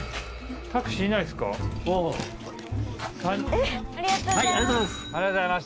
ありがとうございます。